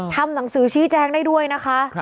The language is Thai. ทำหนังสือชี้แจงได้ด้วยนะคะ